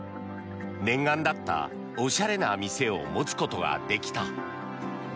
念願だったおしゃれな店を持つことができた。